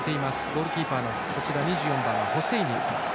ゴールキーパーの２４番のホセイニ。